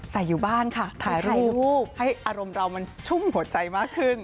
อยู่บ้านค่ะถ่ายรูปให้อารมณ์เรามันชุ่มหัวใจมากขึ้น